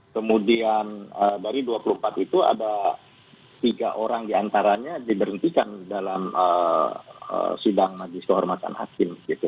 kemudian dari dua puluh empat itu ada tiga orang diantaranya diberhentikan dalam sidang majelis kehormatan hakim